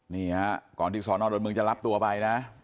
นี่ครับก่อนที่สอนอดรมึงจะรับตัวไปนะ